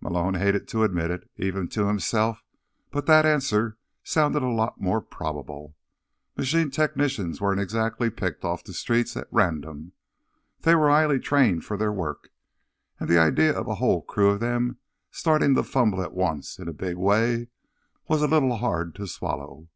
Malone hated to admit it, even to himself, but that answer sounded a lot more probable. Machine technicians weren't exactly picked off the streets at random; they were highly trained for their work, and the idea of a whole crew of them starting to fumble at once, in a big way, was a little hard to swallow.